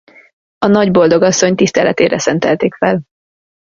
A Nagyboldogasszony tiszteletére szentelték fel.